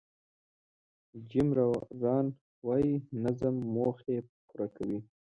جیم ران وایي نظم موخې پوره کوي.